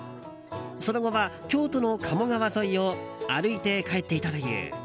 その後は、京都の鴨川沿いを歩いて帰っていったという。